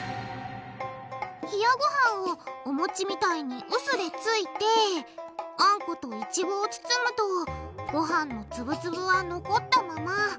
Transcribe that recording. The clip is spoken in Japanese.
冷やごはんをおもちみたいにうすでついてあんこといちごを包むとごはんのツブツブは残ったまま。